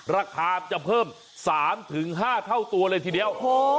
ราคาจะเพิ่ม๓๕เท่าตัวเลยทีเดียว